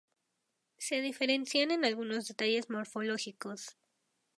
Se diferencian en algunos detalles morfológicos.